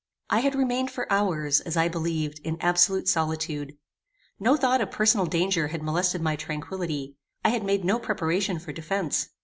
I had remained for hours, as I believed, in absolute solitude. No thought of personal danger had molested my tranquillity. I had made no preparation for defence.